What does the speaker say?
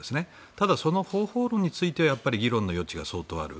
ただ、その方法論については議論の余地が相当ある。